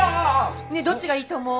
ねえどっちがいいと思う？